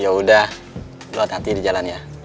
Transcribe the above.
ya udah lo hati hati di jalan ya